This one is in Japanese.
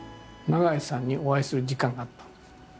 永井さんにお会いする時間があったの。